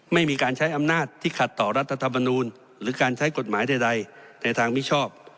ไม่มีการใช้อำนาจที่ขัดต่อรัฐธรรมนูลหรือการใช้กฎหมายใดในทางมิชอบ